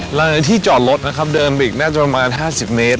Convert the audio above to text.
หลังจากที่จอดรถนะครับเดินไปอีกน่าจะประมาณ๕๐เมตร